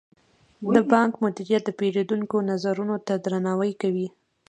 د بانک مدیریت د پیرودونکو نظرونو ته درناوی کوي.